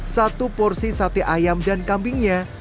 satu porsi sate ayam dan kambingnya